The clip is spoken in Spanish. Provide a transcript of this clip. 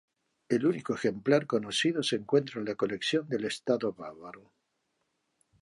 El único ejemplar conocido se encuentra en la Colección del Estado Bávaro.